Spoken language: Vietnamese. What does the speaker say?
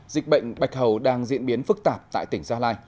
dịch bệnh bạch hầu đang diễn biến phức tạp tại tỉnh gia lai